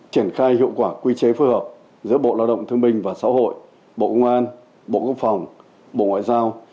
triển khai hiệu quả quy chế phối hợp giữa bộ lao động thương minh và xã hội bộ công an bộ quốc phòng bộ ngoại giao